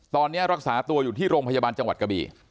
ตอนนี้รักษาตัวอยู่ที่โรงพยาบาลจังหวัดกะบี่